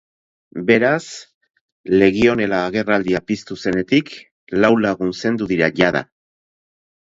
Beraz, legionella-agerraldia piztu zenetik lau lagun zendu dira jada.